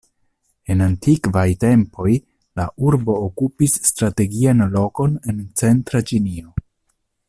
En antikvaj tempoj la urbo okupis strategian lokon en centra Ĉinio.